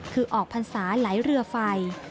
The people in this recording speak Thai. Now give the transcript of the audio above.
คือออกพรรษาไหลเรือไฟ